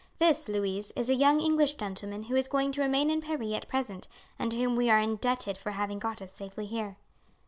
This, Louise, is a young English gentleman who is going to remain in Paris at present, and to whom we are indebted for having got us safely here."